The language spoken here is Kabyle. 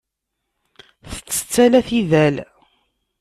Tettett ala tidal.